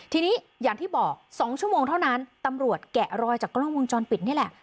ทีนี้อย่างที่บอก๒ชั่วโมงเท่านั้นตำรวจแกะรอยจากกล้องวงจรปิดนี่แหละ